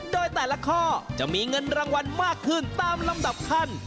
โดยแต่ละข้อจะมีเงินรางวัลมากขึ้นตามลำดับขั้น